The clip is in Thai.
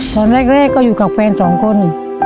สอนแรกก็อยู่กับใคร๒คน